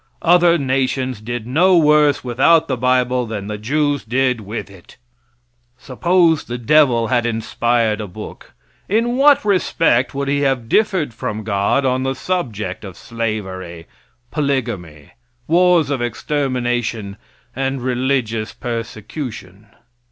Other nations did no worse without the bible than the Jews did with it. Suppose the devil had inspired a book. In what respect would he have differed from God on the subject of slavery, polygamy, wars of extermination, and religious persecution?